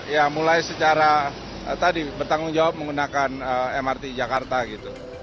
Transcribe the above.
ya mulai secara tadi bertanggung jawab menggunakan mrt jakarta gitu